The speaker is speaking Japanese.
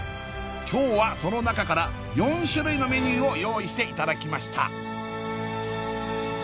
今日はその中から４種類のメニューを用意していただきました